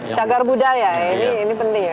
cagar budaya ini penting ya